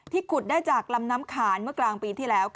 ขุดได้จากลำน้ำขานเมื่อกลางปีที่แล้ว